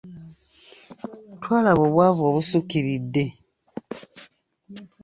Twalaba obwavu obusukkiridde.